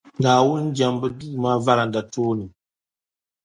Naawuni jɛmbu duu maa varanda tooni.